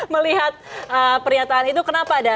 melihat pernyataan itu kenapa ada